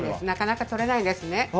なかなかとれないですね。